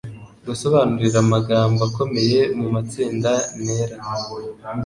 Gusobanurira amagambo akomeye mu matsinda. Ntera